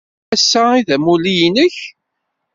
Ass-a ay d amulli-nnek?